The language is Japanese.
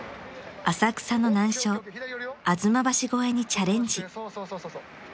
［浅草の難所吾妻橋越えにチャレンジ］